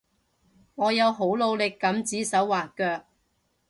我有好努力噉指手劃腳